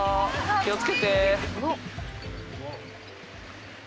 気を付けて。